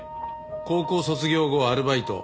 高校卒業後アルバイト。